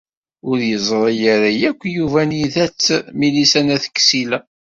Ur yeẓri ara akk Yuba anida-tt Milisa n At Ksila.